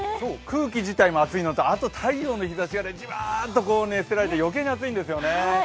空気自体も暑いのと、太陽の日ざしがじわっと照らされて余計に暑いんですよね。